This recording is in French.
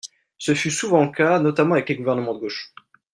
Ce fut souvent le cas, notamment avec les gouvernements de gauche.